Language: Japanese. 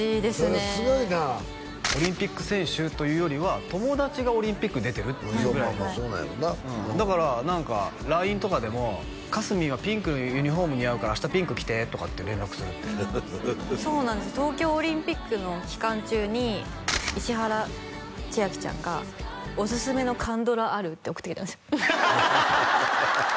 それすごいなオリンピック選手というよりは友達がオリンピック出てるまあまあそうやろうなだから何かＬＩＮＥとかでも「かすみんはピンクのユニフォーム似合うから明日ピンク着て」とかって連絡するってそうなんです東京オリンピックの期間中に石原千晶ちゃんが「おすすめの韓ドラある？」って送ってきたんですよ